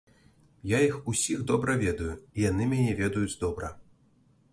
Я іх усіх добра ведаю, і яны мяне ведаюць добра.